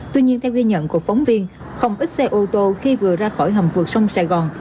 tuy nhiên theo ghi nhận của phóng viên không ít xe ô tô khi vừa ra khỏi hầm vượt sông sài gòn